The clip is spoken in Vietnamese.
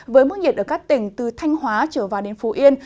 với mức nhiệt ở các tỉnh từ thanh hóa trở vào đến phú yên